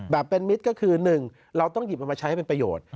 แบบเป็นมิตรก็คือ๑เราต้องหยิบมันมาใช้ให้เป็นประโยชน์